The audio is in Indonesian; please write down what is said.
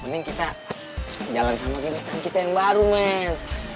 mending kita jalan sama gemetan kita yang baru men